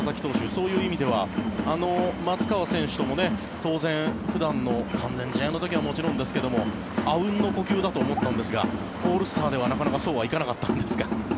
そういう意味では松川選手とも当然、普段の完全試合の時はもちろんですけどもあうんの呼吸だと思ったんですがオールスターではなかなかそうはいかなかったんですか？